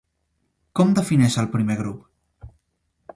Com defineix el primer grup?